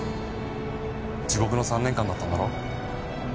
地獄の３年間だったんだろ？